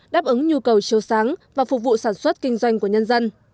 đáp ứng nhu cầu chiêu sáng và phục vụ sản xuất kinh doanh của nhân dân